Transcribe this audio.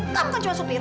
kamu kan cuma supir